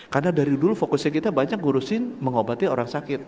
karena dari dulu fokusnya kita banyak ngurusin mengobati orang sakit